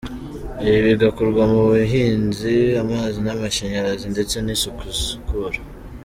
Ibi bigakorwa mu buhinzi, amazi n’amashanyarazi ndetse n’isuku n’isukura.